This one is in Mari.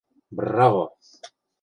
Браво!..